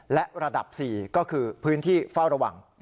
และระดับ๔ก็คือพื้นที่เฝ้าระวัง